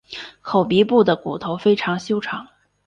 口鼻部的骨头非常修长。